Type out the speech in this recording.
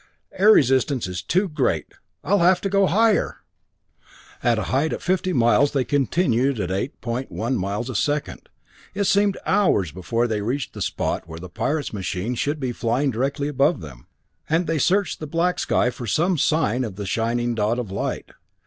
"Air resistance is too great! I'll have to go higher!" At a height of fifty miles they continued at 8.1 miles a second. It seemed hours before they reached the spot where the pirate's machine should be flying directly above them, and they searched the black sky for some sign of the shining dot of light.